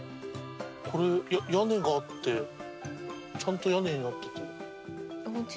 これ屋根があってちゃんと屋根になってて。